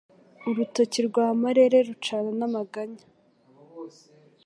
urutoki rwa marere rucana n'amaganya